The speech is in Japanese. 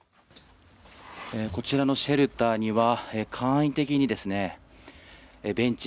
こちらのシェルターには簡易的にベンチ